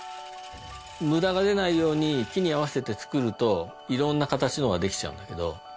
無駄が出ないように木に合わせて作るといろんな形のができちゃうんだけど。